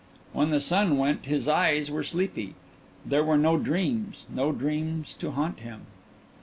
When the sun went his eyes were sleepy there were no dreams, no dreams to haunt him.